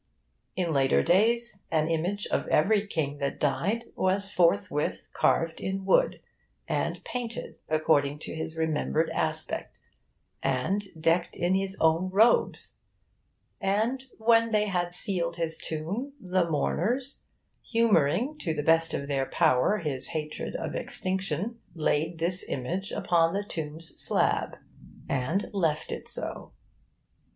In later days, an image of every king that died was forthwith carved in wood, and painted according to his remembered aspect, and decked in his own robes; and, when they had sealed his tomb, the mourners, humouring, to the best of their power, his hatred of extinction, laid this image upon the tomb's slab, and left it so.